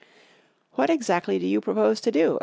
"What exactly do you propose to do?"